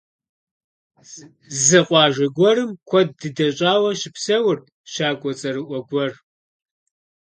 Зы къуажэ гуэрым куэд дыдэ щӀауэ щыпсэурт щакӀуэ цӀэрыӀуэ гуэр.